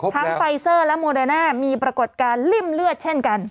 ไฟเซอร์และโมเดอร์น่ามีปรากฏการณ์ริ่มเลือดเช่นกัน